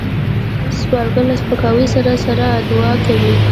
سوالګر له سپکاوي سره سره دعا کوي